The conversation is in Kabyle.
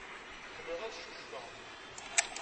Ḥemmleɣ ad cucfeɣ.